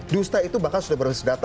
dusta itu bahkan sudah berbasis data